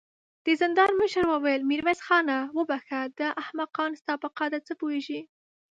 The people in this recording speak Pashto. د زندان مشر وويل: ميرويس خانه! وبخښه، دا احمقان ستا په قدر څه پوهېږې.